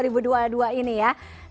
terima kasih sekali lagi